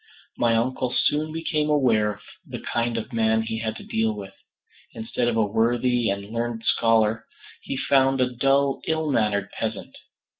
My uncle soon became aware of the kind of man he had to deal with. Instead of a worthy and learned scholar, he found a dull ill mannered peasant.